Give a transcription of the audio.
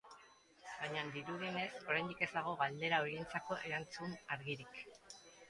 Baina, dirudienez, oraindik ez dago galdera horientzako erantzun argirik.